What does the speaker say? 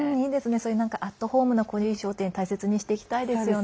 そういうアットホームな個人商店大切にしていきたいですよね。